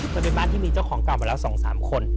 เคยเป็นบ้านที่มีเจ้าของเก่ามาแล้ว๒๓คน